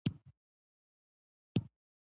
مچمچۍ د صبر او زحمت نښه ده